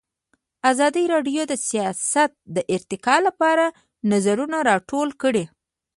ازادي راډیو د سیاست د ارتقا لپاره نظرونه راټول کړي.